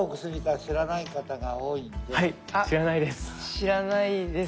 知らないです。